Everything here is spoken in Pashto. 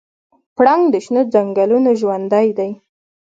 پړانګ د شنو ځنګلونو ژوندی دی.